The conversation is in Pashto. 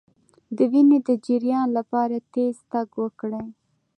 د وینې د جریان لپاره تېز تګ وکړئ